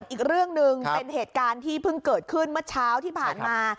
อีกเรื่องหนึ่งเป็นเหตุการณ์ที่เพิ่งเกิดขึ้นเมื่อเช้าที่ผ่านมา